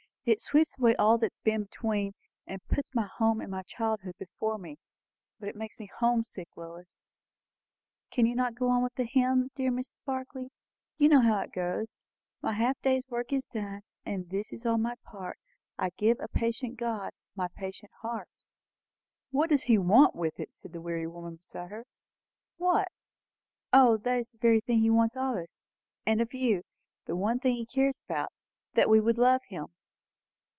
It sweeps away all that has been between, and puts home and my childhood before me. But it makes me home sick, Lois!" "Cannot you go on with the hymn, dear Mrs. Barclay? You know how it goes, 'My half day's work is done; And this is all my part I give a patient God My patient heart.'" "What does he want with it?" said the weary woman beside her. "What? O, it is the very thing he wants of us, and of you; the one thing he cares about! That we would love him."